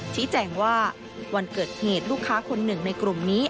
ชี้แจงว่าวันเกิดเหตุลูกค้าคนหนึ่งในกลุ่มนี้